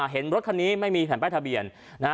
เห็นรถคันนี้ไม่มีแผ่นป้ายทะเบียน